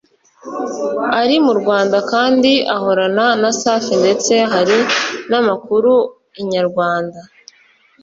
ari mu Rwanda kandi ahorana na Safi ndetse hari n’amakuru Inyarwanda